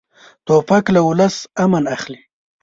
توپک له ولس امن اخلي.